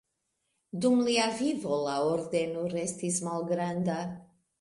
Dum lia vivo la ordeno restis malgranda.